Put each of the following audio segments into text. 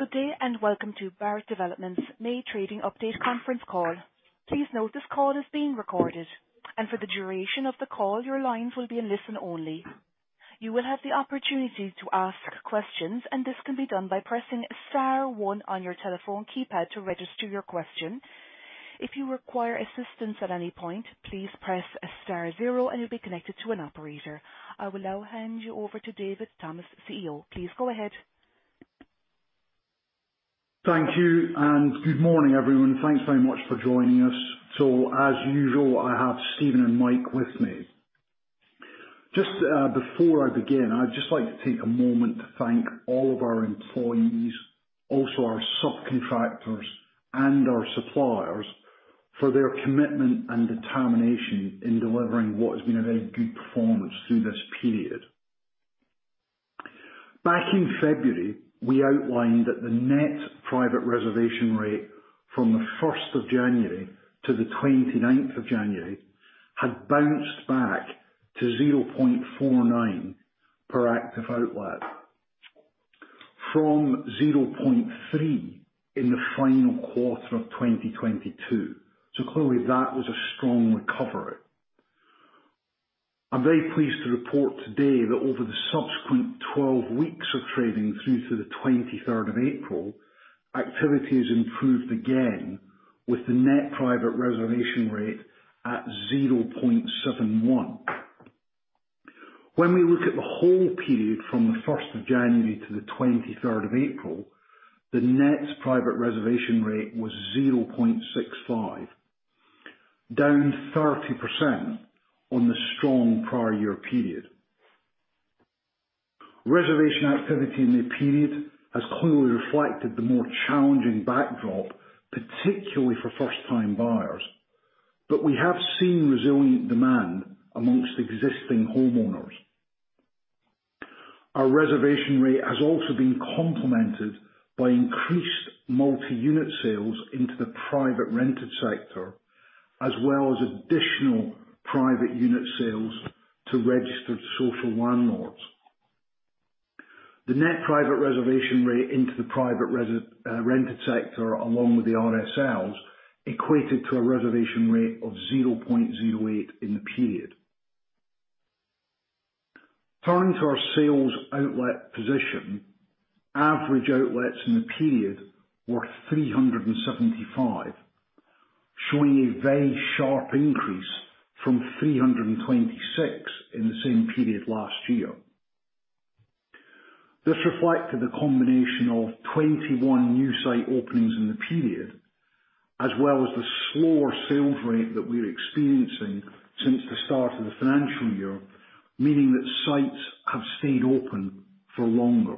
Good day, and welcome to Barratt Developments May trading update conference call. Please note this call is being recorded, and for the duration of the call, your lines will be in listen only. You will have the opportunity to ask questions, and this can be done by pressing star one on your telephone keypad to register your question. If you require assistance at any point, please press star zero, and you'll be connected to an operator. I will now hand you over to David Thomas, CEO. Please go ahead. Thank you. Good morning, everyone. Thanks very much for joining us. As usual, I have Steven and Mike with me. Just before I begin, I'd just like to take a moment to thank all of our employees, also our subcontractors and our suppliers for their commitment and determination in delivering what has been a very good performance through this period. Back in February, we outlined that the net private reservation rate from the first of January to the twenty-ninth of January had bounced back to 0.49 per active outlet, from 0.3 in the final quarter of 2022. Clearly that was a strong recovery. I'm very pleased to report today that over the subsequent 12 weeks of trading through to the twenty-third of April, activity has improved again with the net private reservation rate at 0.71. When we look at the whole period from the 1st of January to the 23rd of April, the net private reservation rate was 0.65, down 30% on the strong prior year period. Reservation activity in the period has clearly reflected the more challenging backdrop, particularly for first-time buyers. We have seen resilient demand amongst existing homeowners. Our reservation rate has also been complemented by increased multi-unit sales into the private rented sector, as well as additional private unit sales to registered social landlords. The net private reservation rate into the private rented sector, along with the RSLs, equated to a reservation rate of 0.08 in the period. Turning to our sales outlet position. Average outlets in the period were 375, showing a very sharp increase from 326 in the same period last year. This reflected the combination of 21 new site openings in the period, as well as the slower sales rate that we're experiencing since the start of the financial year, meaning that sites have stayed open for longer.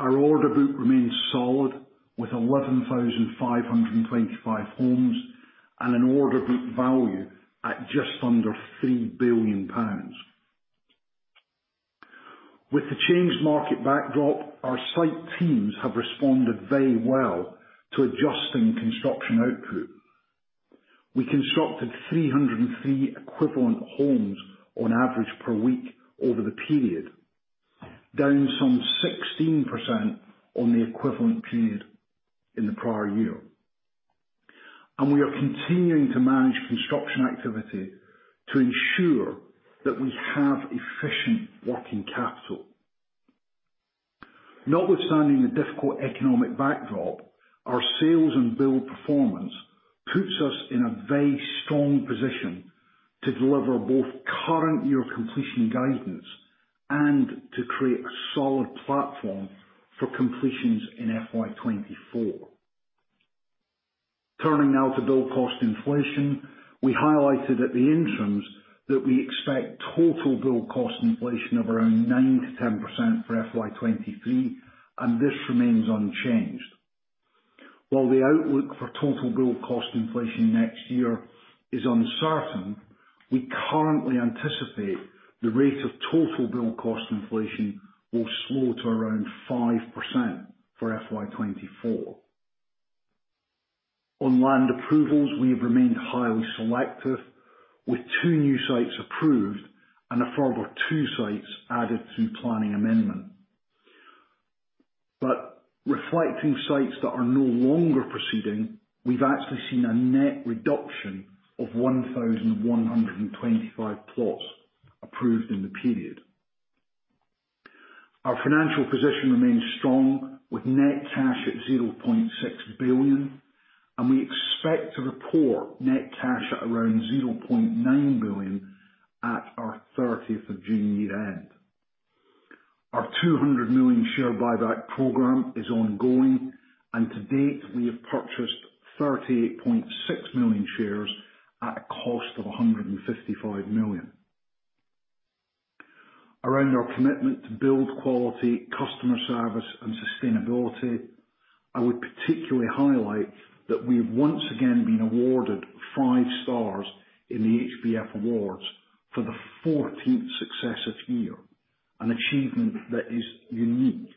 Our order book remains solid, with 11,525 homes and an order book value at just under 3 billion pounds. With the changed market backdrop, our site teams have responded very well to adjusting construction output. We constructed 303 equivalent homes on average per week over the period, down some 16% on the equivalent period in the prior year. We are continuing to manage construction activity to ensure that we have efficient working capital. Notwithstanding the difficult economic backdrop, our sales and build performance puts us in a very strong position to deliver both current year completion guidance and to create a solid platform for completions in FY 2024. Turning now to build cost inflation. We highlighted at the interims that we expect total build cost inflation of around 9%-10% for FY 2023. This remains unchanged. While the outlook for total build cost inflation next year is uncertain, we currently anticipate the rate of total build cost inflation will slow to around 5% for FY 2024. On land approvals, we have remained highly selective, with two new sites approved and a further two sites added through planning amendment. Reflecting sites that are no longer proceeding, we've actually seen a net reduction of 1,125 plots approved in the period. Our financial position remains strong, with net cash at 0.6 billion, and we expect to report net cash at around 0.9 billion at our 30th of June year-end. Our 200 million share buyback program is ongoing, and to date, we have purchased 38.6 million shares at a cost of 155 million. Around our commitment to build quality, customer service, and sustainability, I would particularly highlight that we've once again been awarded five stars in the HBF Awards for the 14th successive year, an achievement that is unique.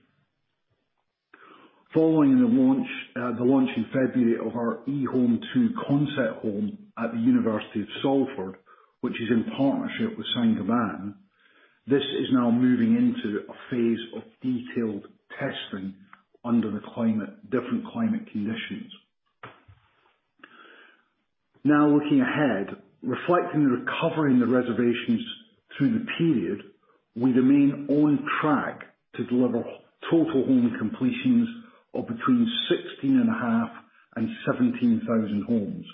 Following the launch in February of our eHome2 concept home at the University of Salford, which is in partnership with Saint-Gobain, this is now moving into a phase of detailed testing under the different climate conditions. Now looking ahead, reflecting the recovery in the reservations through the period, we remain on track to deliver total home completions of between 16.5 and 17,000 homes,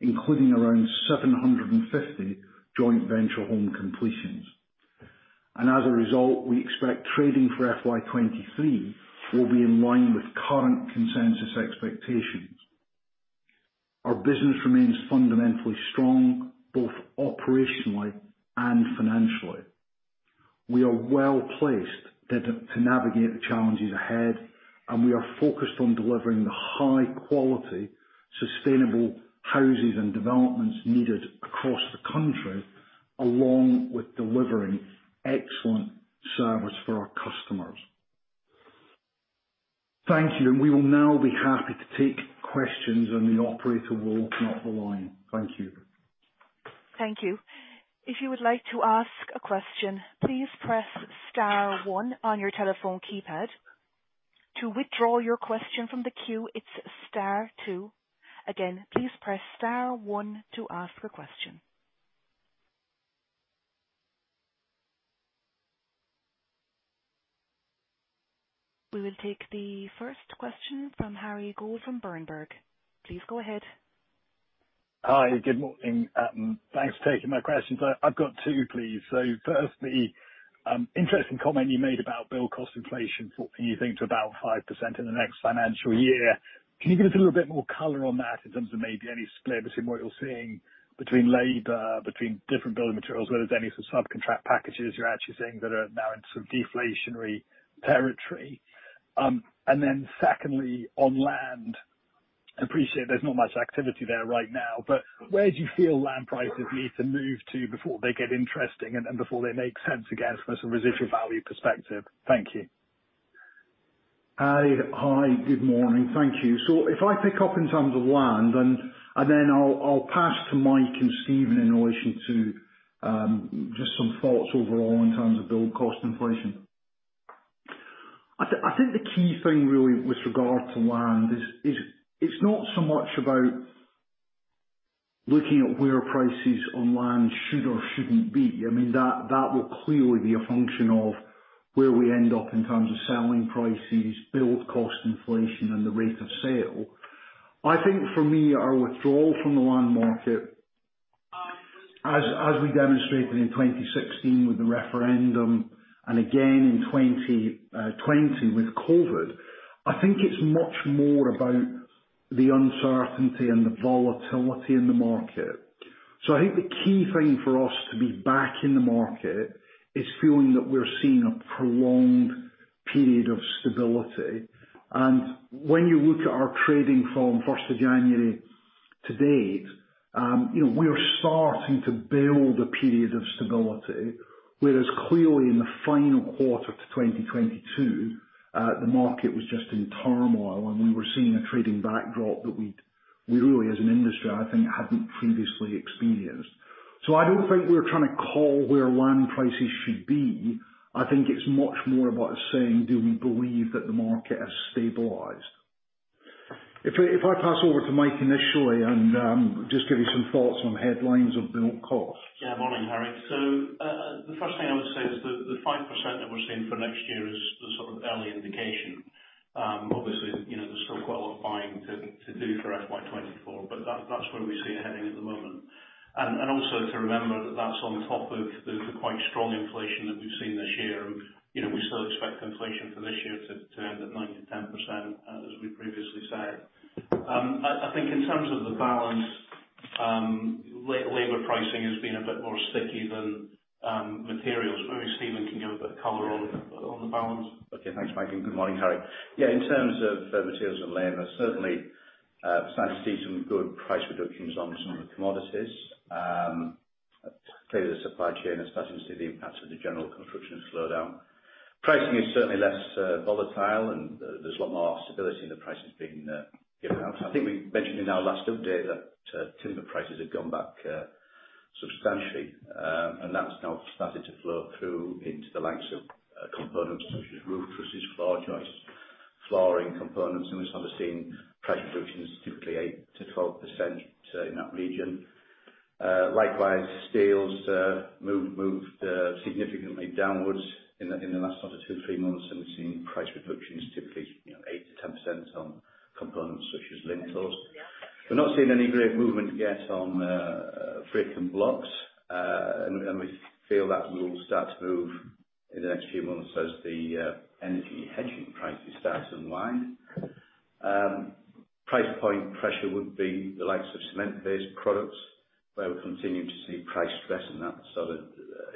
including around 750 joint venture home completions. As a result, we expect trading for FY 2023 will be in line with current consensus expectations. Our business remains fundamentally strong, both operationally and financially. We are well-placed to navigate the challenges ahead, and we are focused on delivering the high quality, sustainable houses and developments needed across the country, along with delivering excellent service for our customers. Thank you. We will now be happy to take questions and the operator will open up the line. Thank you. Thank you. If you would like to ask a question, please press star one on your telephone keypad. To withdraw your question from the queue, it's star two. Again, please press star one to ask a question. We will take the first question from Harry Goad from Berenberg. Please go ahead. Hi, good morning. Thanks for taking my questions. I've got two, please. Firstly, interesting comment you made about build cost inflation, thought you think to about 5% in the next financial year. Can you give us a little bit more color on that in terms of maybe any split between what you're seeing between labor, between different building materials? Whether there's any sort of subcontract packages you're actually seeing that are now in sort of deflationary territory. Secondly, on land, appreciate there's not much activity there right now, but where do you feel land prices need to move to before they get interesting and before they make sense again from a residual value perspective? Thank you. Hi. Hi, good morning. Thank you. If I pick up in terms of land and then I'll pass to Mike and Steven in relation to just some thoughts overall in terms of build cost inflation. I think the key thing really with regard to land is it's not so much about looking at where prices on land should or shouldn't be. I mean, that will clearly be a function of where we end up in terms of selling prices, build cost inflation, and the rate of sale. I think for me, our withdrawal from the land market, as we demonstrated in 2016 with the referendum and again in 2020 with COVID, I think it's much more about the uncertainty and the volatility in the market. I think the key thing for us to be back in the market is feeling that we're seeing a prolonged period of stability. When you look at our trading from 1st of January to date, you know, we are starting to build a period of stability. Whereas clearly in the final quarter to 2022, the market was just in turmoil and we were seeing a trading backdrop that we really as an industry, I think hadn't previously experienced. I don't think we're trying to call where land prices should be. I think it's much more about saying, do we believe that the market has stabilized? If I pass over to Mike initially and just give you some thoughts on the headlines of build cost. Morning, Harry. The first thing I would say is the 5% that we're seeing for next year is the sort of early indication. Obviously, you know, there's still quite a lot of buying to do for FY 2024, but that's where we see it heading at the moment. And also to remember that that's on top of the quite strong inflation that we've seen this year. You know, we still expect inflation for this year to end at 9%-10%, as we previously said. I think in terms of the balance, labor pricing has been a bit more sticky than materials. Maybe Steven can give a bit of color on the balance. Okay. Thanks, Mike, and good morning, Harry. Yeah, in terms of materials and labor, certainly starting to see some good price reductions on some of the commodities. Clearly the supply chain is starting to see the impacts of the general construction slowdown. Pricing is certainly less volatile and there's a lot more stability in the prices being given out. I think we mentioned in our last update that timber prices have gone back substantially, that's now started to flow through into the likes of components such as roof trusses, floor joists, flooring components, and we're starting to see price reductions typically 8%-12%, so in that region. Likewise, steels moved significantly downwards in the last sort of two, three months, and we've seen price reductions typically, you know, 8%-10% on components such as lintels. We're not seeing any great movement yet on brick and blocks. We feel that will start to move in the next few months as the energy hedging prices start to unwind. Price point pressure would be the likes of cement-based products where we're continuing to see price pressure and that sort of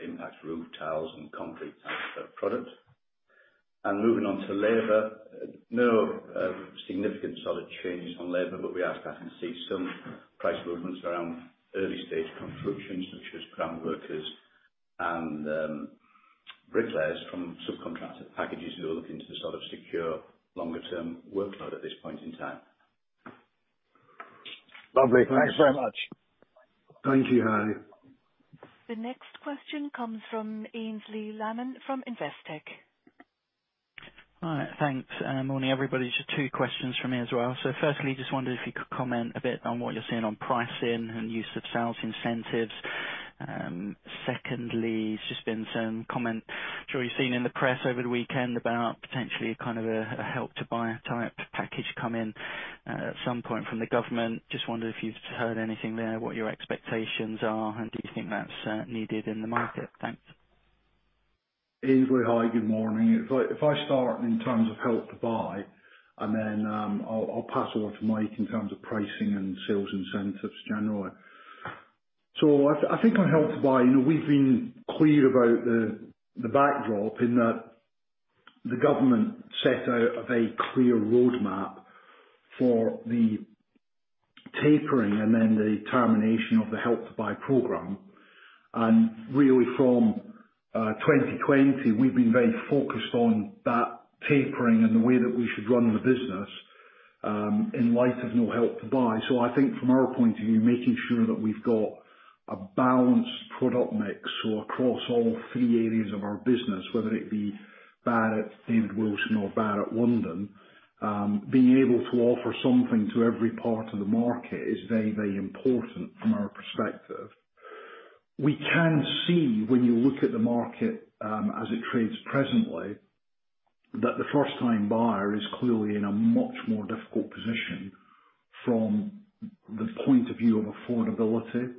impacts roof tiles and concrete type of product. Moving on to labor, no significant solid changes on labor, but we are starting to see some price movements around early stage construction such as groundworkers. Bricklayers from subcontracted packages who are looking to sort of secure longer term workload at this point in time. Lovely. Thanks very much. Thank you, Harry. The next question comes from Aynsley Lammin from Investec. Hi, thanks. Morning, everybody. Just two questions from me as well. Firstly, just wondered if you could comment a bit on what you're seeing on pricing and use of sales incentives. Secondly, there's just been some comment, I'm sure you've seen in the press over the weekend, about potentially a kind of a Help to Buy type package coming at some point from the government. Just wondered if you've heard anything there, what your expectations are, and do you think that's needed in the market? Thanks. Aynsley, hi, good morning. If I start in terms of Help to Buy and then I'll pass over to Mike in terms of pricing and sales incentives generally. I think on Help to Buy, you know, we've been clear about the backdrop in that the government set out a very clear roadmap for the tapering and then the termination of the Help to Buy program. Really from 2020, we've been very focused on that tapering and the way that we should run the business in light of no Help to Buy. I think from our point of view, making sure that we've got a balanced product mix. Across all three areas of our business, whether it be David Wilson Homes or Barratt London, being able to offer something to every part of the market is very, very important from our perspective. We can see when you look at the market, as it trades presently, that the first time buyer is clearly in a much more difficult position from the point of view of affordability.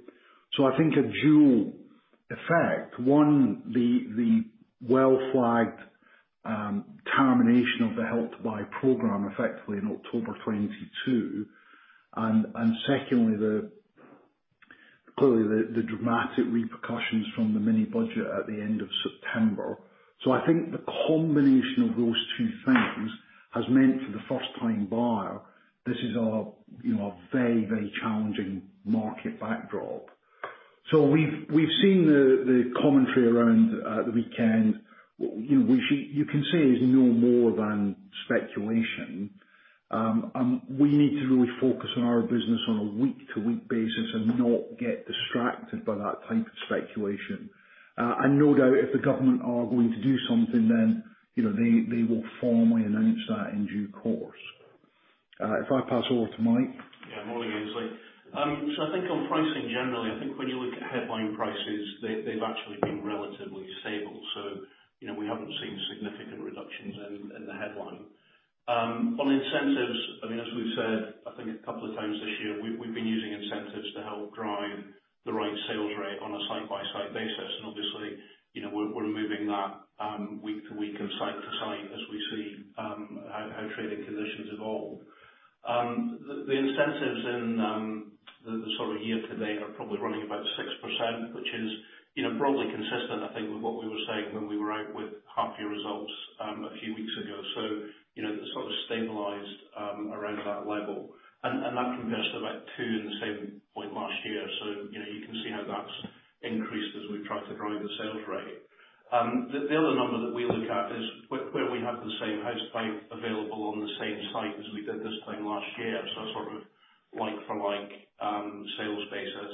I think a dual effect, one, the well-flagged, termination of the Help to Buy program effectively in October 2022, and secondly, the, clearly the dramatic repercussions from the Mini Budget at the end of September. I think the combination of those two things has meant for the first time buyer, this is a, you know, a very, very challenging market backdrop. We've, we've seen the commentary around the weekend. Which you can say is no more than speculation. We need to really focus on our business on a week-to-week basis and not get distracted by that type of speculation. No doubt, if the government are going to do something, then, you know, they will formally announce that in due course. If I pass over to Mike. Morning, Aynsley. I think on pricing generally, I think when you look at headline prices, they've actually been relatively stable. You know, we haven't seen significant reductions in the headline. On incentives, I mean, as we've said, I think a couple of times this year, we've been using incentives to help drive the right sales rate on a site-by-site basis. Obviously, you know, we're moving that week to week and site to site as we see how trading conditions evolve. The incentives in the sort of year to date are probably running about 6%, which is, you know, broadly consistent, I think, with what we were saying when we were out with half year results a few weeks ago. You know, they're sort of stabilized around that level. That compares to about two in the same point last year. You know, you can see how that's increased as we've tried to drive the sales rate. The, the other number that we look at is where we have the same house type available on the same site as we did this time last year. So a sort of like for like sales basis.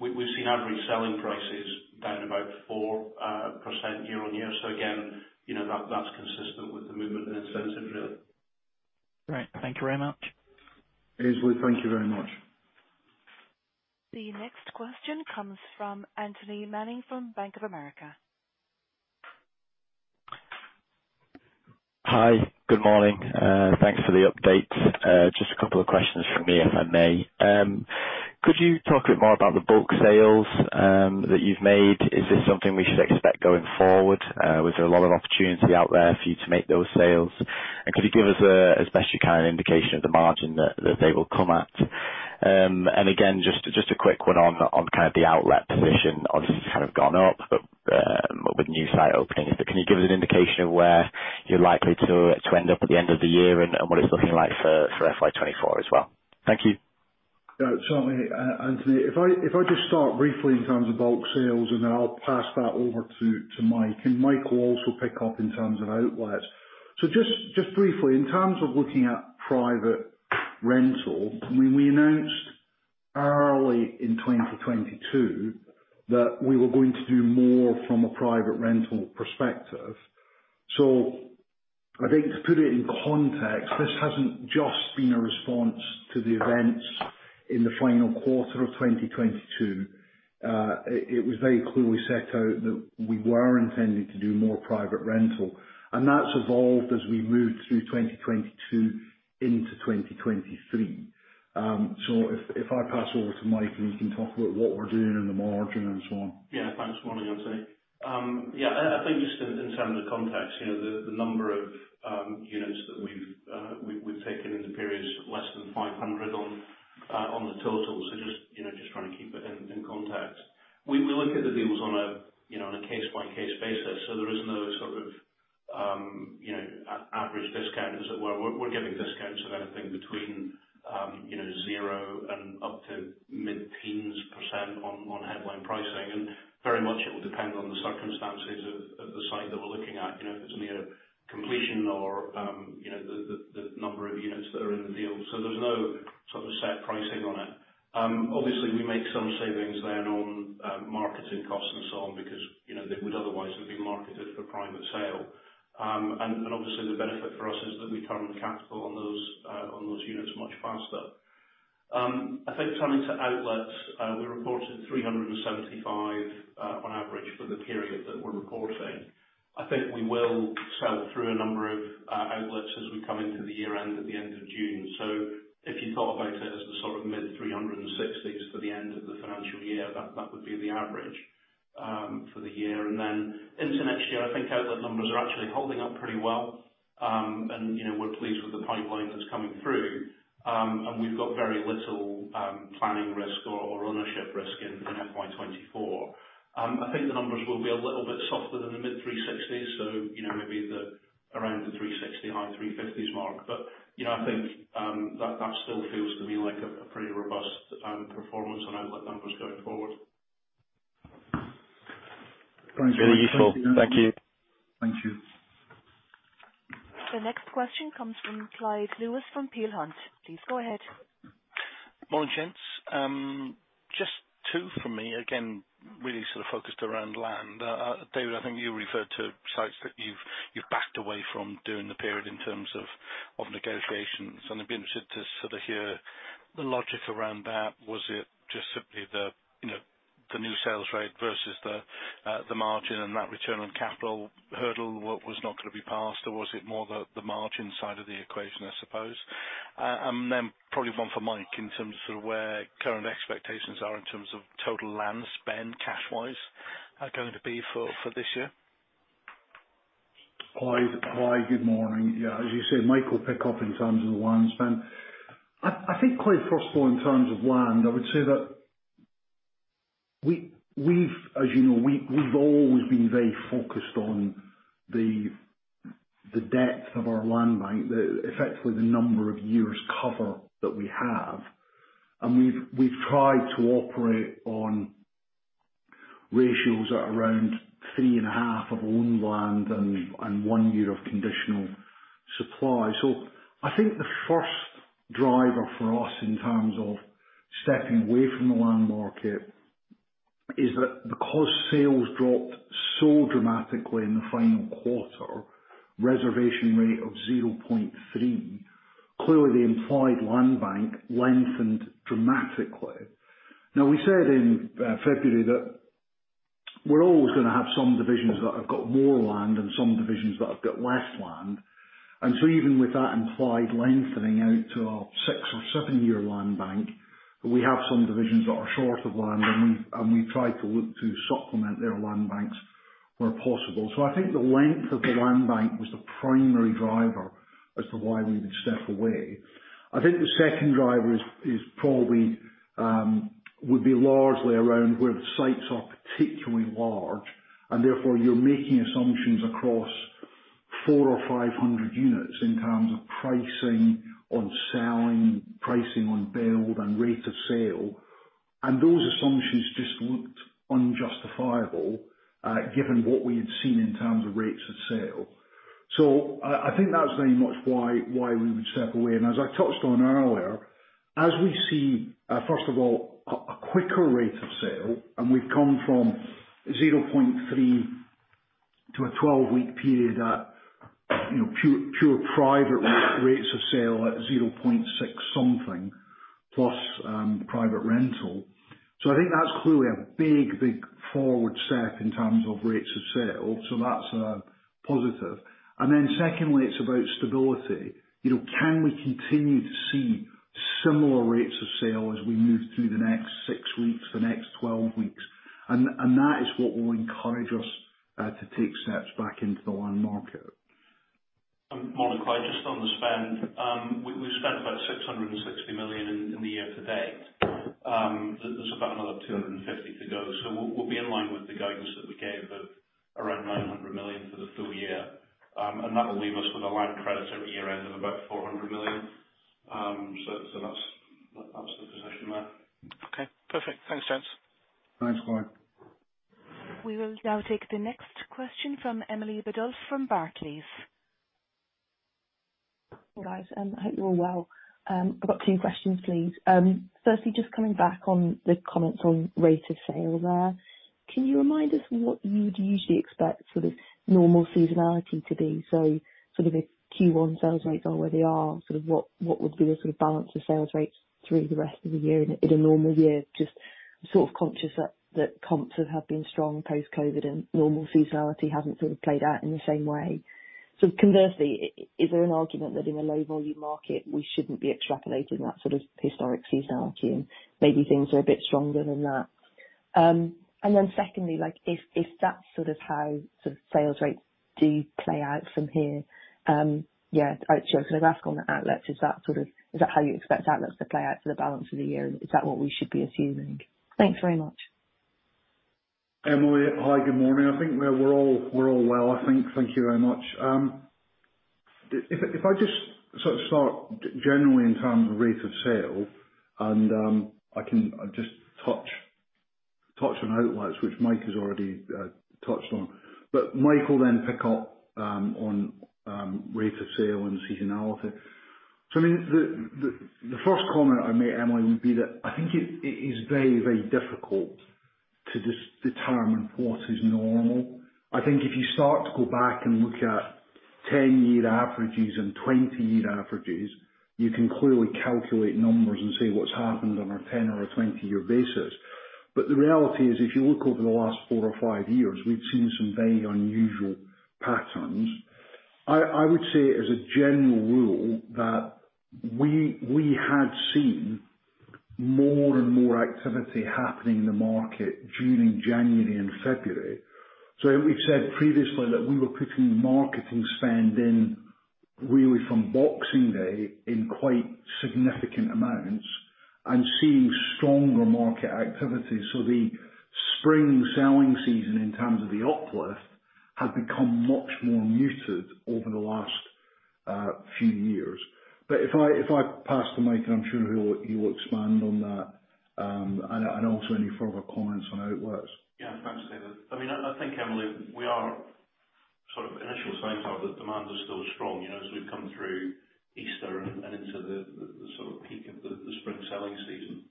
We've seen average selling prices down about 4% year-on-year. Again, you know, that's consistent with the movement in incentives, really. Great. Thank you very much. Aynsley, thank you very much. The next question comes from Anthony Manning from Bank of America. Hi. Good morning, thanks for the update. Just a couple of questions from me, if I may. Could you talk a bit more about the bulk sales that you've made? Is this something we should expect going forward? Was there a lot of opportunity out there for you to make those sales? Could you give us a, as best you can, an indication of the margin that they will come at? Again, just a quick one on kind of the outlet position. Obviously, it's kind of gone up with new site openings, but can you give us an indication of where you're likely to end up at the end of the year and what it's looking like for FY 2024 as well? Thank you. Yeah. Certainly. Anthony, if I just start briefly in terms of bulk sales, and then I'll pass that over to Mike, and Mike will also pick up in terms of outlets. Just briefly, in terms of looking at private rental, I mean, we announced early in 2022 that we were going to do more from a private rental perspective. I think to put it in context, this hasn't just been a response to the events in the final quarter of 2022. It was very clearly set out that we were intending to do more private rental, and that's evolved as we moved through 2022 into 2023. If I pass over to Mike and he can talk about what we're doing and the margin and so on. Yeah. Thanks. Morning, Anthony. Yeah, I think just in terms of context, you know, the number of units that we've we've taken in the period is less than 500 on the total. Just, you know, just trying to keep it in context. We, we look at the deals on a, you know, on a case by case basis. There is no, you know, average discount, as it were. We're, we're giving discounts of anything between, you know, zero and up to mid-teens% on headline pricing. Very much it will depend on the circumstances of the site that we're looking at. You know, if it's near completion or, you know, the number of units that are in the deal. There's no sort of set pricing on it. Obviously we make some savings then on marketing costs and so on, because, you know, they would otherwise have been marketed for private sale. Obviously the benefit for us is that we turn capital on those on those units much faster. I think turning to outlets, we reported 375 on average for the period that we're reporting. I think we will sell through a number of outlets as we come into the year-end at the end of June. If you thought about it as sort of mid-360s for the end of the financial year, that would be the average for the year. Into next year, I think outlet numbers are actually holding up pretty well. You know, we're pleased with the pipeline that's coming through, and we've got very little planning risk or ownership risk in FY 2024. I think the numbers will be a little bit softer than the mid 360s. You know, maybe the around the 360, high 350s mark. You know, I think that still feels to me like a pretty robust performance on outlet numbers going forward. Thanks very much. Very useful. Thank you. Thank you. The next question comes from Clyde Lewis from Peel Hunt. Please go ahead. Morning, gents. Just two from me. Again, really sort of focused around land. David, I think you referred to sites that you've backed away from during the period in terms of negotiations. I'd be interested to sort of hear the logic around that. Was it just simply the, you know, the new sales rate versus the margin and that return on capital hurdle was not gonna be passed, or was it more the margin side of the equation, I suppose? Then probably one for Mike in terms of sort of where current expectations are in terms of total land spend cash wise are going to be for this year. Clyde, good morning. Yeah, as you said, Mike will pick up in terms of the land spend. I think, Clyde, first of all, in terms of land, I would say that we've, as you know, we've always been very focused on the depth of our land bank, the effectively the number of years cover that we have. We've tried to operate on ratios at around 3.5 of owned land and one year of conditional supply. I think the first driver for us in terms of stepping away from the land market is that because sales dropped so dramatically in the final quarter, reservation rate of 0.3, clearly the implied land bank lengthened dramatically. Now, we said in February that we're always gonna have some divisions that have got more land and some divisions that have got less land. Even with that implied lengthening out to a six or seven-year land bank, we have some divisions that are short of land, and we try to look to supplement their land banks where possible. I think the length of the land bank was the primary driver as to why we would step away. I think the second driver is probably would be largely around where the sites are particularly large, and therefore you're making assumptions across 400 or 500 units in terms of pricing on selling, pricing on build and rate of sale. Those assumptions just looked unjustifiable, given what we had seen in terms of rates of sale. I think that's very much why we would step away. As I touched on earlier, as we see, first of all, a quicker rate of sale, and we've come from 0.3 to a 12-week period at, you know, pure private rates of sale at 0.6 something plus, private rental. I think that's clearly a big forward step in terms of rates of sale. That's a positive. Secondly, it's about stability. You know, can we continue to see similar rates of sale as we move through the next six weeks, the next 12 weeks? That is what will encourage us to take steps back into the land market. Morning, Clyde. Just on the spend. We've spent about 660 million in the year to date. There's about another 250 million to go. We'll be in line with the guidance that we gave of around 900 million for the full year. That'll leave us with a line of credit at year-end of about 400 million. That's the position there. Okay. Perfect. Thanks, gents. Thanks, Clyde. We will now take the next question from Emily Biddulph from Barclays. Hi, guys. Hope you're well. I've got two questions, please. Firstly, just coming back on the comments on rate of sale there. Can you remind us what you'd usually expect sort of normal seasonality to be? Sort of if Q1 sales rates are where they are, sort of what would be the sort of balance of sales rates through the rest of the year in a, in a normal year? Just sort of conscious that comps have been strong post-COVID and normal seasonality hasn't sort of played out in the same way. Conversely, is there an argument that in a low volume market we shouldn't be extrapolating that sort of historic seasonality and maybe things are a bit stronger than that? Secondly, like if that's sort of how sort of sales rates do play out from here, I just wanna ask on the outlets, is that how you expect outlets to play out for the balance of the year? Is that what we should be assuming? Thanks very much. Emily, hi, good morning. I think we're all well, I think. Thank you very much. If I just sort of start generally in terms of rate of sale, and I can just touch on outlets, which Mike has already touched on, but Mike will then pick up on rate of sale and seasonality. I mean, the first comment I made, Emily, would be that I think it is very, very difficult to just determine what is normal. I think if you start to go back and look at 10-year averages and 20-year averages, you can clearly calculate numbers and see what's happened on a 10 or a 20-year basis. The reality is, if you look over the last four or five years, we've seen some very unusual patterns. I would say as a general rule that we had seen more and more activity happening in the market during January and February. We've said previously that we were putting marketing spend in really from Boxing Day in quite significant amounts and seeing stronger market activity. The spring selling season, in terms of the uplift, has become much more muted over the last few years. If I pass to Mike, I'm sure he will expand on that and also any further comments on outlets. Yeah. Thanks, David. I mean, I think, Emily, we are sort of initial signs are that demand is still strong, you know, as we've come through Easter and into the, the sort of peak of the spring selling season.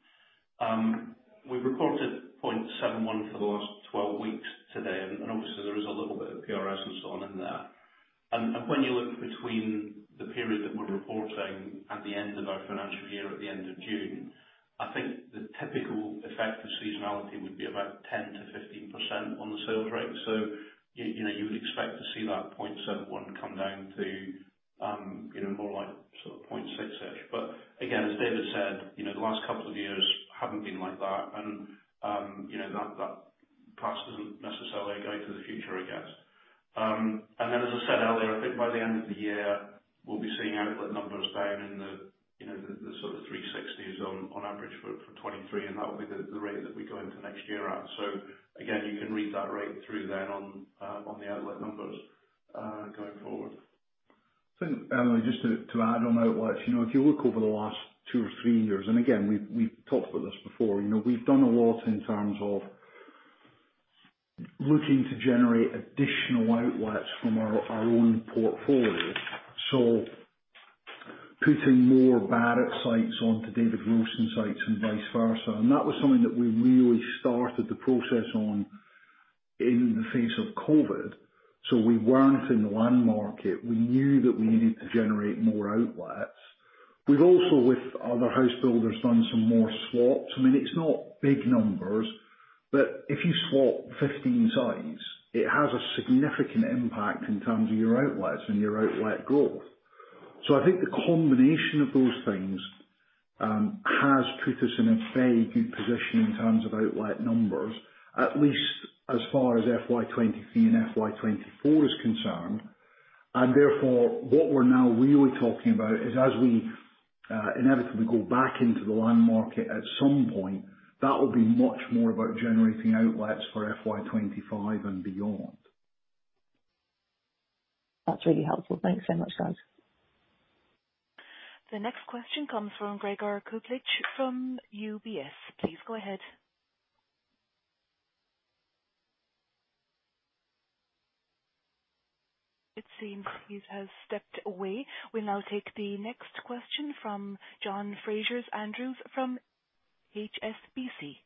We reported 0.71 for the last 12 weeks today, and obviously there is a little bit of PRS and so on in there. When you look between the period that we're reporting at the end of our financial year at the end of June, I think the typical effect of seasonality would be about 10%-15% on the sales rate. You know, you would expect to see that 0.71 come down to, you know, more like sort of 0.6-ish. Again, as David said, you know, the last couple of years haven't been like that and, you know, that past doesn't necessarily go to the future, I guess. As I said earlier, I think by the end of the year we'll be seeing outlet numbers down in the, you know, the sort of 360s on average for 2023, and that will be the rate that we go into next year at. Again, you can read that rate through then on the outlet numbers going forward. Emily, just to add on outlets, you know, if you look over the last two or three years, and again, we've talked about this before, you know, we've done a lot in terms of looking to generate additional outlets from our own portfolio. Putting more Barratt sites onto David Wilson sites and vice versa. That was something that we really started the process on in the face of COVID. We weren't in the land market. We knew that we needed to generate more outlets. We've also, with other house builders, done some more swaps. I mean, it's not big numbers, but if you swap 15 sites, it has a significant impact in terms of your outlets and your outlet growth. I think the combination of those things, has put us in a very good position in terms of outlet numbers, at least as far as FY 2023 and FY 2024 is concerned. Therefore, what we're now really talking about is, as we inevitably go back into the land market at some point, that will be much more about generating outlets for FY 2025 and beyond. That's really helpful. Thanks so much, guys. The next question comes from Gregor Kuglitsch from UBS. Please go ahead. It seems he has stepped away. We'll now take the next question from John Fraser-Andrews from HSBC.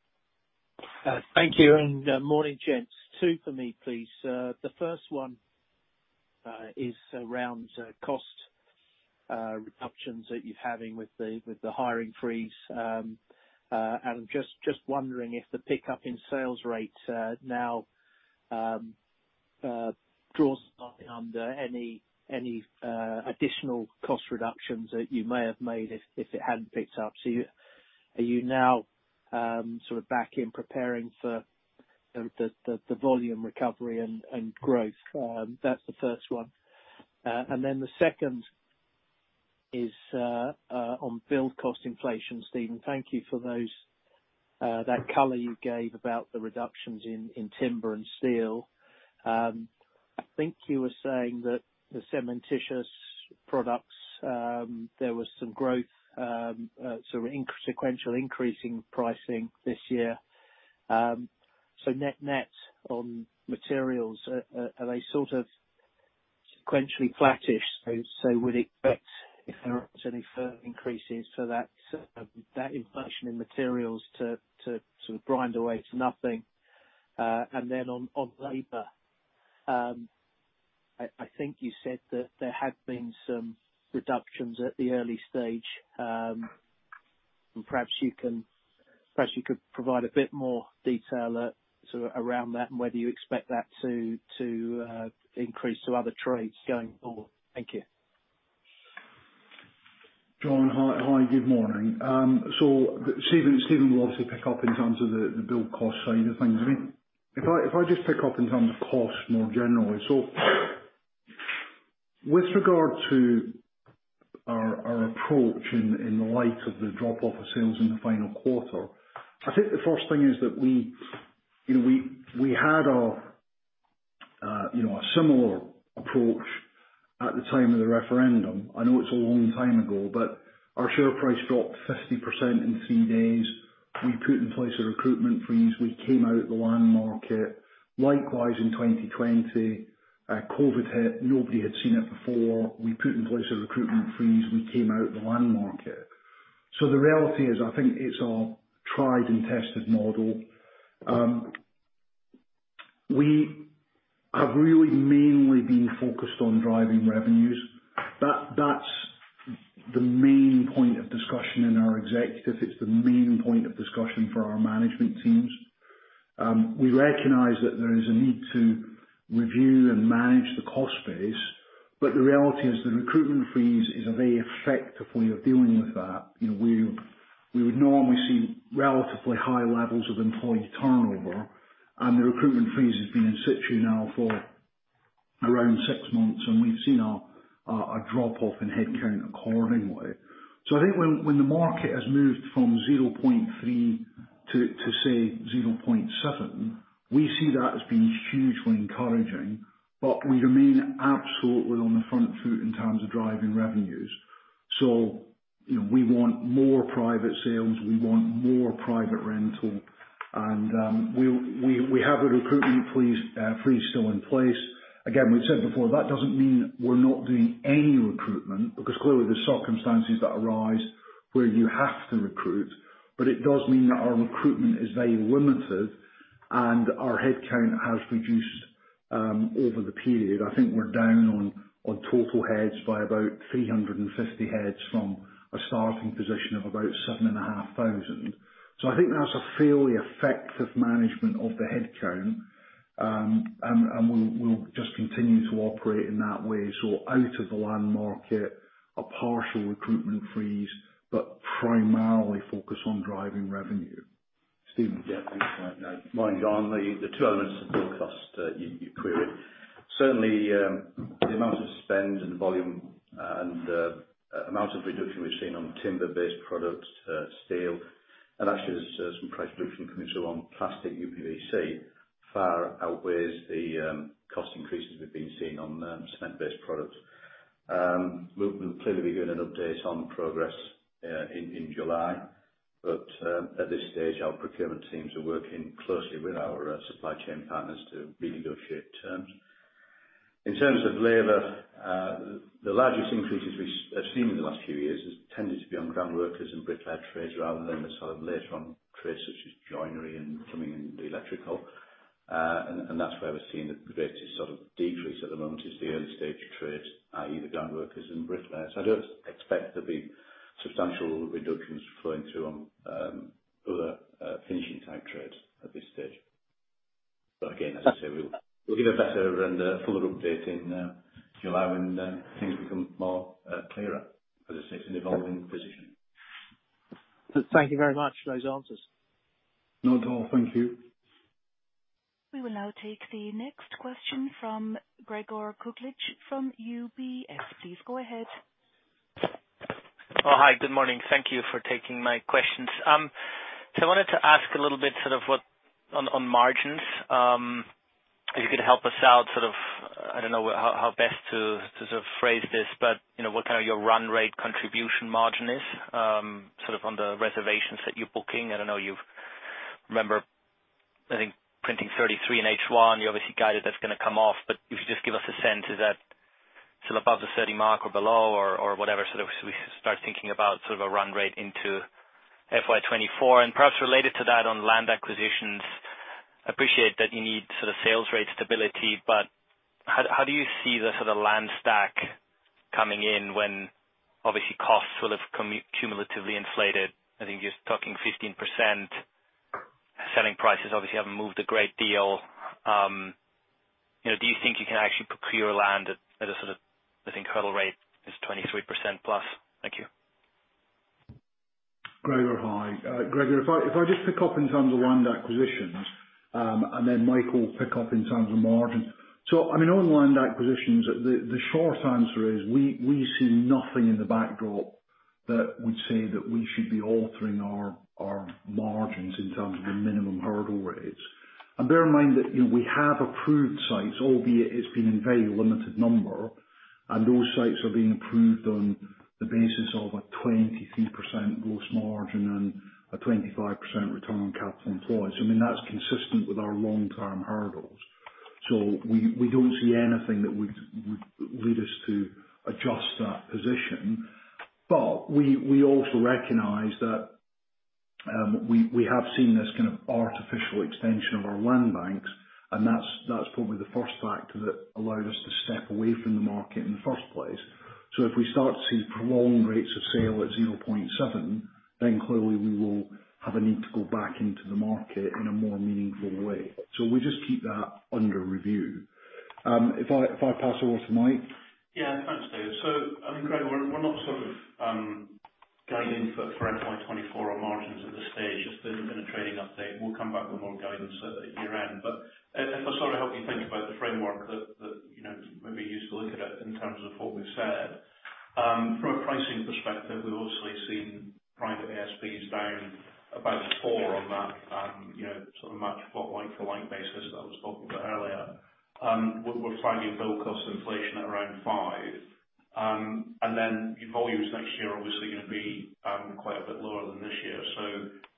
Thank you, good morning, gents. Two for me, please. The first one is around cost reductions that you're having with the hiring freeze. Just wondering if the pickup in sales rate now draws something under any additional cost reductions that you may have made if it hadn't picked up. Are you now sort of back in preparing for the volume recovery and growth? That's the first one. The second is on build cost inflation. Steven, thank you for that color you gave about the reductions in timber and steel. I think you were saying that the cementitious products, there was some growth, sort of sequential increase in pricing this year. Net-net on materials, are they sort of sequentially flattish, I guess I would expect if there aren't any further increases to that inflation in materials to sort of grind away to nothing. Then on labor, I think you said that there had been some reductions at the early stage, Perhaps you could provide a bit more detail, sort of around that and whether you expect that to increase to other trades going forward. Thank you. John, hi. Good morning. Steven will obviously pick up in terms of the build cost side of things. I mean, if I just pick up in terms of cost more generally. With regard to our approach in light of the drop off of sales in the final quarter, I think the first thing is that we, you know, we had a, you know, a similar approach at the time of the referendum. I know it's a long time ago, but our share price dropped 50% in three days. We put in place a recruitment freeze. We came out of the land market. Likewise, in 2020, COVID hit. Nobody had seen it before. We put in place a recruitment freeze. We came out of the land market. The reality is, I think it's our tried and tested model. We have really mainly been focused on driving revenues. That's the main point of discussion in our executive. It's the main point of discussion for our management teams. We recognize that there is a need to review and manage the cost base, but the reality is the recruitment freeze is a very effective way of dealing with that. You know, we would normally see relatively high levels of employee turnover, and the recruitment freeze has been in situ now for around six months, and we've seen a drop-off in headcount accordingly. I think when the market has moved from 0.3 to say 0.7, we see that as being hugely encouraging, but we remain absolutely on the front foot in terms of driving revenues. You know, we want more private sales, we want more private rental, and we have a recruitment freeze still in place. Again, we've said before, that doesn't mean we're not doing any recruitment, because clearly there's circumstances that arise where you have to recruit, but it does mean that our recruitment is very limited and our headcount has reduced over the period. I think we're down on total heads by about 350 heads from a starting position of about 7,500. I think that's a fairly effective management of the headcount, and we'll just continue to operate in that way. Out of the land market, a partial recruitment freeze, but primarily focus on driving revenue. Steven? Thanks, Mike. Mike, on the two elements of build cost that you queried. Certainly, the amount of spend and the volume and amount of reduction we've seen on timber-based products, steel, and actually there's some price reduction coming through on plastic UPVC far outweighs the cost increases we've been seeing on cement-based products. We'll clearly be giving an update on progress in July. At this stage, our procurement teams are working closely with our supply chain partners to renegotiate terms. In terms of labor, the largest increases we've seen in the last few years has tended to be on groundworkers and bricklayer trades rather than the sort of later on trades such as joinery and plumbing and electrical. That's where we're seeing the greatest sort of decrease at the moment is the early stage trades, i.e. the groundworkers and bricklayers. I don't expect there'll be substantial reductions flowing through on other finishing type trades at this stage. Again, as I say, we'll give a better and a fuller update in July when things become more clearer, as I say, it's an evolving position. Thank you very much for those answers. Not at all. Thank you. We will now take the next question from Gregor Kuglitsch from UBS. Please go ahead. Oh, hi. Good morning. Thank you for taking my questions. I wanted to ask a little bit sort of on margins, if you could help us out sort of, I don't know how best to sort of phrase this, but, you know, what kind of your run rate contribution margin is sort of on the reservations that you're booking. I don't know you remember, I think printing 33 in H1, you obviously guided that's gonna come off, but if you could just give us a sense, is that still above the 30 mark or below or whatever, sort of as we start thinking about sort of a run rate into FY 2024? Perhaps related to that on land acquisitions, appreciate that you need sort of sales rate stability, but how do you see the sort of land stack coming in when obviously costs will have cumulatively inflated? I think you're talking 15%. Selling prices obviously haven't moved a great deal. You know, do you think you can actually procure land at a sort of, I think, hurdle rate is 23% plus? Thank you. Gregor, hi. Gregor, if I just pick up in terms of land acquisitions, and then Mike will pick up in terms of margins. I mean, on land acquisitions, the short answer is we see nothing in the backdrop that would say that we should be altering our margins in terms of the minimum hurdle rates. Bear in mind that, you know, we have approved sites, albeit it's been in very limited number, and those sites are being approved on the basis of a 23% gross margin and a 25% return on capital employed. I mean, that's consistent with our long-term hurdles. We don't see anything that would lead us to adjust that position. We also recognize that we have seen this kind of artificial extension of our land banks, and that's probably the first factor that allowed us to step away from the market in the first place. If we start to see prolonged rates of sale at 0.7, clearly we will have a need to go back into the market in a more meaningful way. We just keep that under review. If I pass over to Mike. Greg, we're not sort of guiding for FY 2024 on margins at this stage. It's been in a trading update. We'll come back with more guidance at year-end. If I sort of help you think about the framework that, you know, may be useful to look at it in terms of what we've said. From a pricing perspective, we've obviously seen private ASPs down about 4% on that, you know, sort of much like for like basis that I was talking about earlier. We're finding build cost inflation at around 5%. Your volumes next year are obviously gonna be quite a bit lower than this year.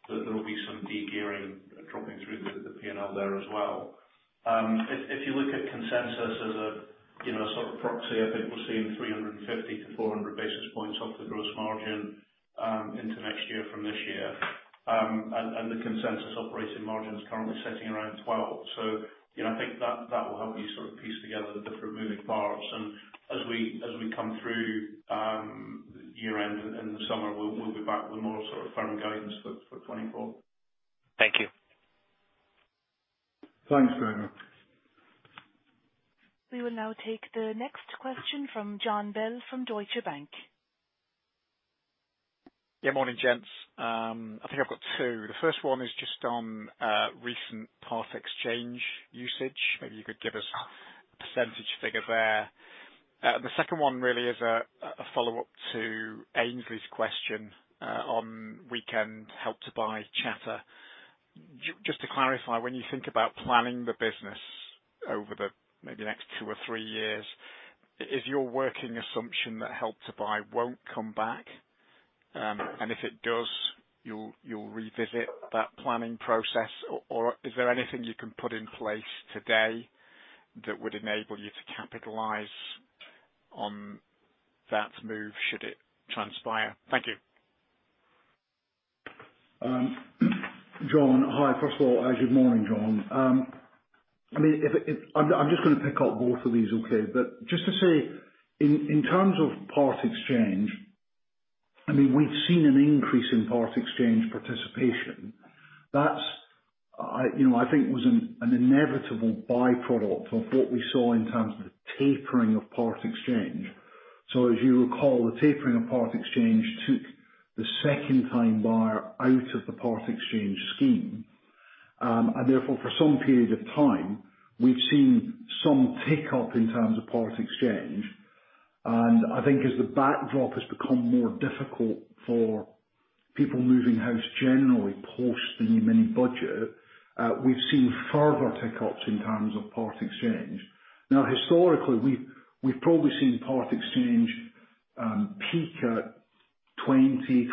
There will be some de-gearing dropping through the P&L there as well. If you look at consensus as a, you know, sort of proxy, I think we're seeing 350-400 basis points off the gross margin into next year from this year. The consensus operating margin is currently sitting around 12%. You know, I think that will help you sort of piece together the different moving parts. As we come through year-end in the summer, we'll be back with more sort of firm guidance for 2024. Thank you. Thanks, Greg. We will now take the next question from Jon Bell from Deutsche Bank. Morning, gents. I think I've got two. The first one is just on recent part exchange usage. Maybe you could give us a percentage figure there. The second one really is a follow-up to Aynsley's question on weekend Help to Buy chatter. Just to clarify, when you think about planning the business over the maybe next two or three years, is your working assumption that Help to Buy won't come back? If it does, you'll revisit that planning process or is there anything you can put in place today that would enable you to capitalize on that move, should it transpire? Thank you. John. Hi. First of all, as good morning, John. I mean, I'm just gonna pick up both of these, okay? Just to say in terms of part exchange, I mean, we've seen an increase in part exchange participation. That's, I, you know, I think was an inevitable by-product of what we saw in terms of the tapering of part exchange. As you recall, the tapering of part exchange took the second-time buyer out of the part exchange scheme. Therefore, for some period of time, we've seen some tick-up in terms of part exchange. I think as the backdrop has become more difficult for people moving house generally post the Mini Budget, we've seen further tick-ups in terms of part exchange. Historically, we've probably seen part exchange peak at 20%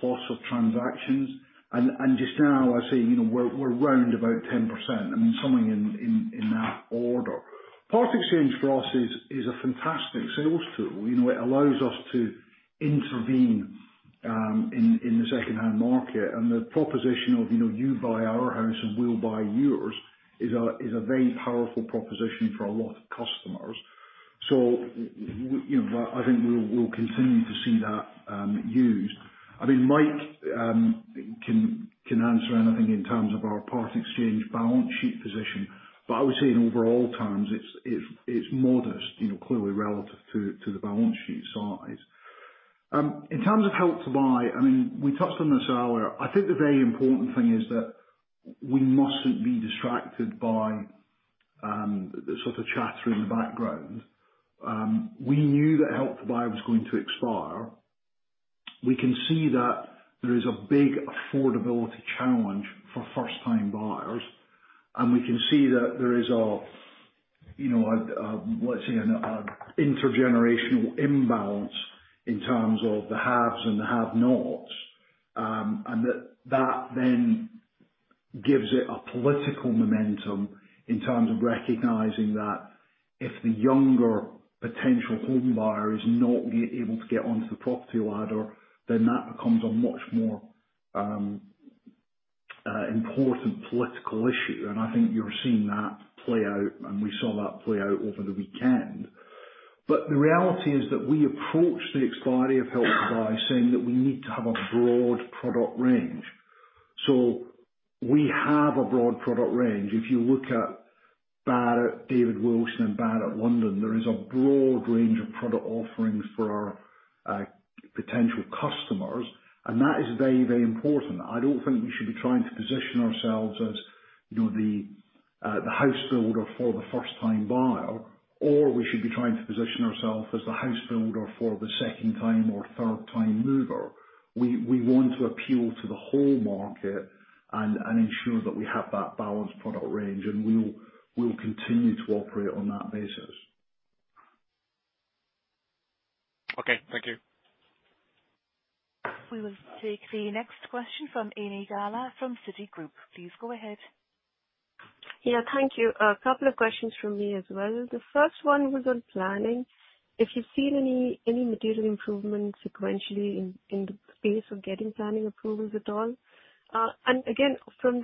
plus of transactions. Just now I say, you know, we're around about 10%. I mean something in that order. Part exchange for us is a fantastic sales tool. You know, it allows us to intervene in the second-hand market. The proposition of, you know, you buy our house and we'll buy yours is a very powerful proposition for a lot of customers. You know, I think we'll continue to see that used. I mean, Mike can answer anything in terms of our part exchange balance sheet position, but I would say in overall terms, it's modest, you know, clearly relative to the balance sheet size. In terms of Help to Buy, I mean, we touched on this earlier. I think the very important thing is that we mustn't be distracted by the sort of chatter in the background. We knew that Help to Buy was going to expire. We can see that there is a big affordability challenge for first-time buyers. We can see that there is, you know, an intergenerational imbalance in terms of the haves and the have-nots. That then gives it a political momentum in terms of recognizing that if the younger potential homebuyer is not able to get onto the property ladder, then that becomes a much more important political issue. I think you're seeing that play out, and we saw that play out over the weekend. The reality is that we approach the expiry of Help to Buy saying that we need to have a broad product range. We have a broad product range. If you look at David Wilson Homes and Barratt London, there is a broad range of product offerings for our potential customers, and that is very, very important. I don't think we should be trying to position ourselves as, you know, the housebuilder for the first-time buyer, or we should be trying to position ourselves as the housebuilder for the second-time or third-time mover. We want to appeal to the whole market and ensure that we have that balanced product range, and we'll continue to operate on that basis. Okay. Thank you. We will take the next question from Ami Galla from Citi. Please go ahead. Yeah. Thank you. A couple of questions from me as well. The first one was on planning. If you've seen any material improvements sequentially in the pace of getting planning approvals at all? Again, from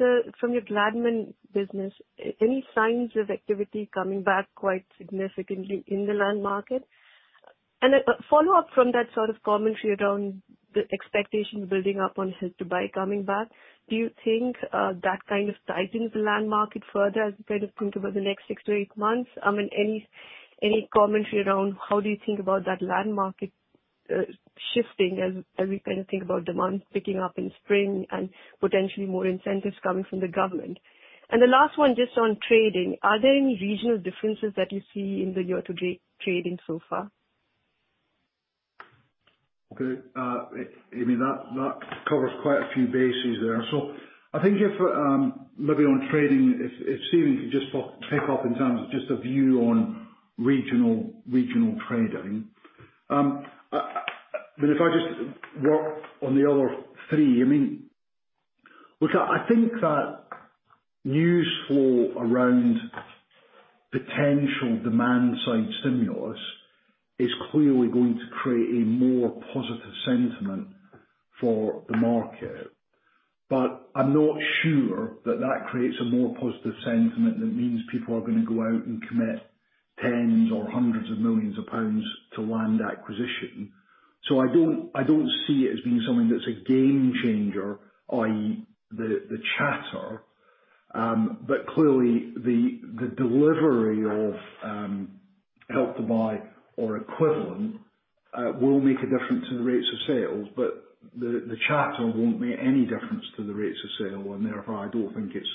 your Gladman business, any signs of activity coming back quite significantly in the land market? A follow-up from that sort of commentary around the expectations building up on Help to Buy coming back. Do you think that kind of tightens the land market further as we kind of think about the next six to eight months? I mean, any commentary around how do you think about that land market- Shifting as we kind of think about demand picking up in spring and potentially more incentives coming from the government. The last one just on trading, are there any regional differences that you see in the year-to-date trading so far? Amy, that covers quite a few bases there. I think if, maybe on trading, if Steven can just pick up in terms of just a view on regional trading. if I just work on the other three, I mean Look, I think that news flow around potential demand-side stimulus is clearly going to create a more positive sentiment for the market. I'm not sure that that creates a more positive sentiment that means people are gonna go out and commit tens or hundreds of millions of GBP to land acquisition. I don't see it as being something that's a game changer, i.e., the chatter. Clearly the delivery of Help to Buy or equivalent will make a difference to the rates of sales, but the chatter won't make any difference to the rates of sale, therefore I don't think it's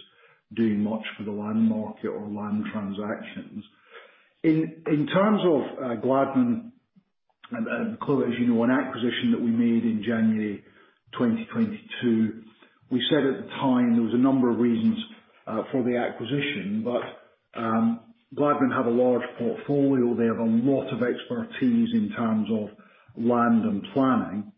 doing much for the land market or land transactions. In terms of Gladman, and Claire, as you know, an acquisition that we made in January 2022, we said at the time there was a number of reasons for the acquisition, but Gladman have a large portfolio. They have a lot of expertise in terms of land and planning,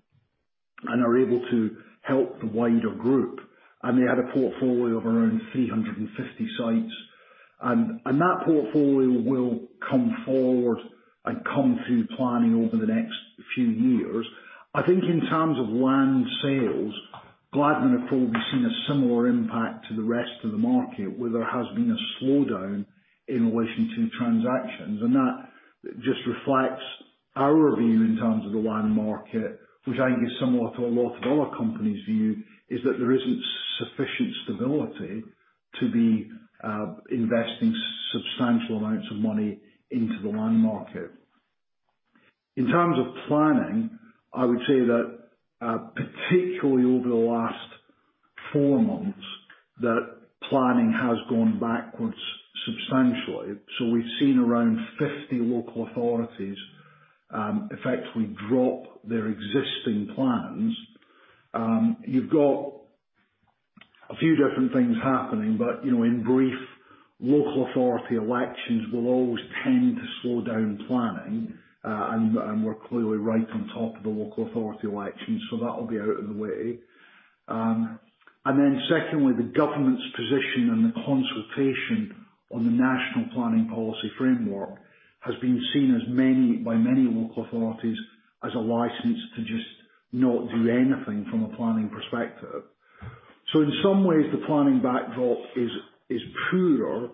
and are able to help the wider group. They had a portfolio of around 350 sites. That portfolio will come forward and come through planning over the next few years. I think in terms of land sales, Gladman have probably seen a similar impact to the rest of the market, where there has been a slowdown in relation to transactions. That just reflects our view in terms of the land market, which I think is similar to a lot of other companies' view, is that there isn't sufficient stability to be investing substantial amounts of money into the land market. In terms of planning, I would say that particularly over the last four months, that planning has gone backwards substantially. We've seen around 50 local authorities effectively drop their existing plans. You've got a few different things happening, but you know, in brief, local authority elections will always tend to slow down planning, and we're clearly right on top of the local authority elections, that will be out of the way. Secondly, the government's position and the consultation on the National Planning Policy Framework has been seen by many local authorities as a license to just not do anything from a planning perspective. In some ways, the planning backdrop is poorer.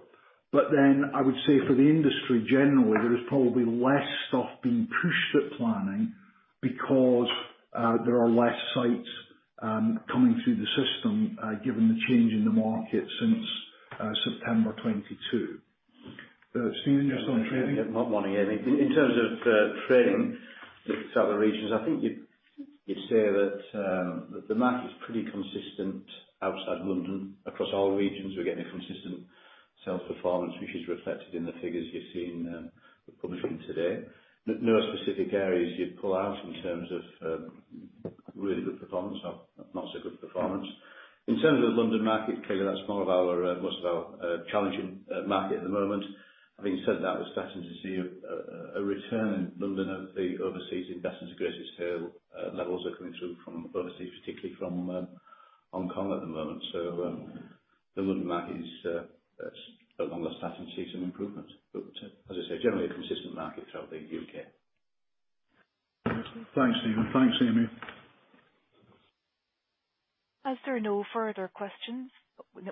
I would say for the industry generally, there is probably less stuff being pushed at planning because there are less sites coming through the system given the change in the market since September 2022. Steven, just on trading. Yeah, not wanting anything. In terms of trading with other regions, I think you'd say that the market is pretty consistent outside London. Across all regions, we're getting a consistent sales performance, which is reflected in the figures you've seen, we're publishing today. No specific areas you'd pull out in terms of really good performance or not so good performance. In terms of the London market, Claire, that's most of our challenging market at the moment. Having said that, we're starting to see a return in London as the overseas investors' greatest sale levels are coming through from overseas, particularly from Hong Kong at the moment. The London market is at long last starting to see some improvement. As I say, generally a consistent market throughout the U.K. Thanks, Steven. Thanks, Ami. As there are no further questions...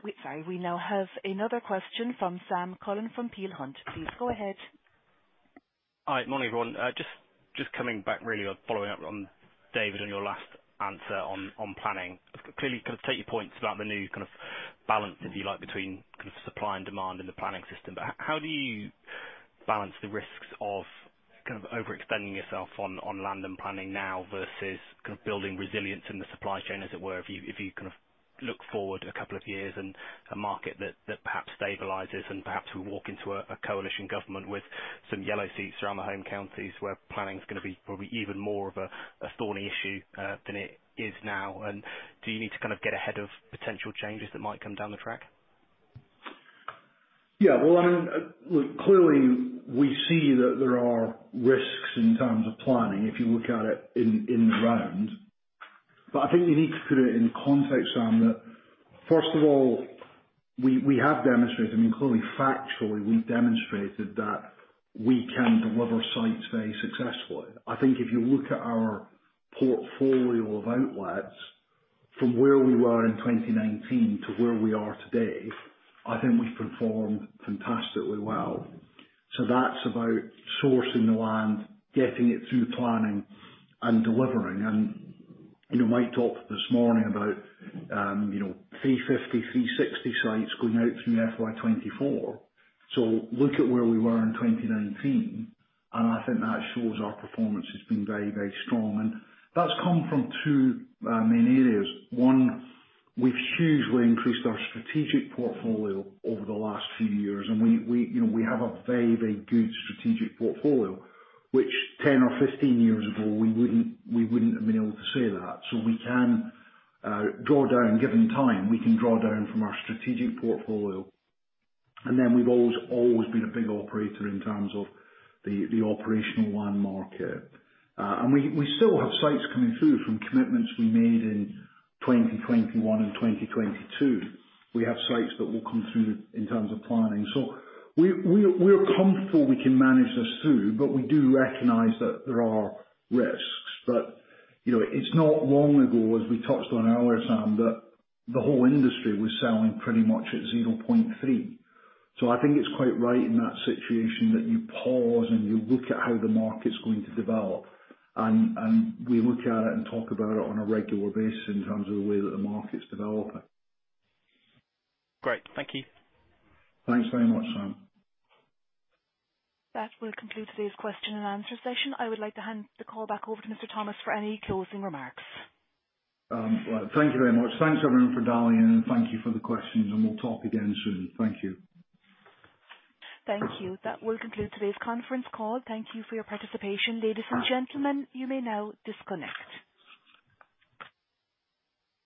wait, sorry. We now have another question from Sam Cullen from Peel Hunt. Please go ahead. Hi. Morning, everyone. Just coming back really on following up on David and your last answer on planning. Clearly kind of take your points about the new kind of balance, if you like, between kind of supply and demand in the planning system. How do you balance the risks of kind of overextending yourself on land and planning now versus kind of building resilience in the supply chain, as it were, if you kind of look forward a couple of years in a market that perhaps stabilizes and perhaps we walk into a coalition government with some yellow seats around the Home Counties where planning is gonna be probably even more of a thorny issue than it is now. Do you need to kind of get ahead of potential changes that might come down the track? Well, look, clearly we see that there are risks in terms of planning, if you look at it in the round. I think you need to put it in context, Sam, that first of all, we have demonstrated, I mean, clearly factually, we've demonstrated that we can deliver sites very successfully. I think if you look at our portfolio of outlets from where we were in 2019 to where we are today, I think we've performed fantastically well. That's about sourcing the land, getting it through planning and delivering. You know, Mike talked this morning about, you know, 350, 360 sites going out through FY 2024. Look at where we were in 2019, and I think that shows our performance has been very, very strong. That's come from two main areas. One, we've hugely increased our strategic portfolio over the last few years, and we, you know, we have a very, very good strategic portfolio, which 10 or 15 years ago, we wouldn't have been able to say that. We can draw down, given time, we can draw down from our strategic portfolio. Then we've always been a big operator in terms of the operational land market. We still have sites coming through from commitments we made in 2021 and 2022. We have sites that will come through in terms of planning. We're comfortable we can manage this through, but we do recognize that there are risks. You know, it's not long ago, as we touched on earlier, Sam Cullen, that the whole industry was selling pretty much at 0.3. I think it's quite right in that situation that you pause and you look at how the market's going to develop. We look at it and talk about it on a regular basis in terms of the way that the market's developing. Great. Thank you. Thanks very much, Sam. That will conclude today's question and answer session. I would like to hand the call back over to Mr. Thomas for any closing remarks. Well, thank you very much. Thanks everyone for dialing in, and thank you for the questions, and we'll talk again soon. Thank you. Thank you. That will conclude today's conference call. Thank you for your participation. Ladies and gentlemen, you may now disconnect.